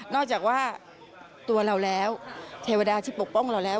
จากว่าตัวเราแล้วเทวดาที่ปกป้องเราแล้ว